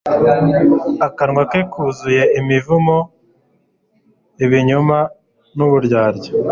Akanwa ke kuzuye imivumo ibinyoma n’uburyarya